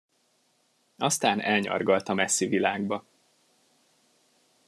Aztán elnyargalt a messzi világba.